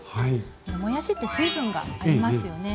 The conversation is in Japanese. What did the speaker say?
もやしって水分がありますよね。